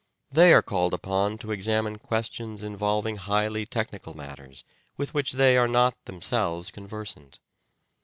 They are called upon to examine questions involving highly technical matters with which they are not themselves conversant.